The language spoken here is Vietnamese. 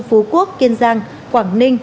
phú quốc kiên giang quảng ninh